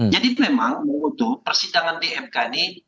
jadi memang untuk persidangan di mk ini